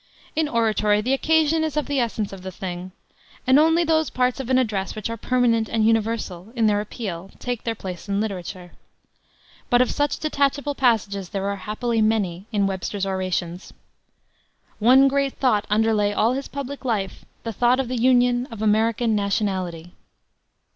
In oratory the occasion is of the essence of the thing, and only those parts of an address which are permanent and universal in their appeal take their place in literature. But of such detachable passages there are happily many in Webster's orations. One great thought underlay all his public life, the thought of the Union; of American nationality.